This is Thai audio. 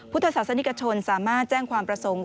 พุทธศาสนิกชนสามารถแจ้งความประสงค์